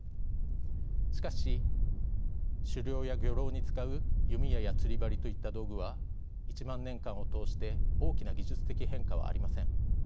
しかし狩猟や漁労に使う弓矢や釣り針といった道具は１万年間を通して大きな技術的変化はありません。